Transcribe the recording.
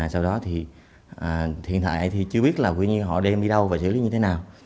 sau đó thì hiện tại chưa biết là họ đem đi đâu và xử lý như thế nào